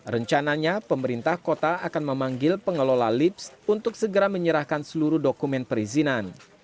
rencananya pemerintah kota akan memanggil pengelola lips untuk segera menyerahkan seluruh dokumen perizinan